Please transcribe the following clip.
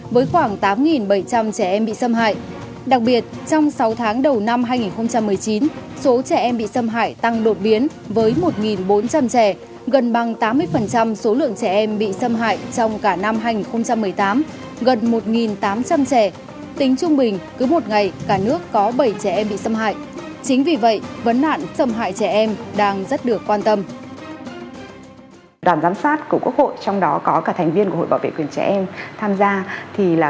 đoàn giám sát của quốc hội trong đó có cả thành viên của hội bảo vệ quyền trẻ em tham gia